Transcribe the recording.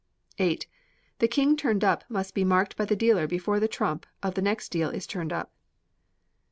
viii. The king turned up must be marked by the dealer before the trump of the next deal is turned up.